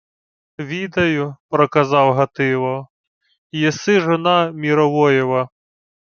— Відаю, — проказав Гатило. — Єси жона Міровоєва.